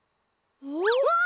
あっ！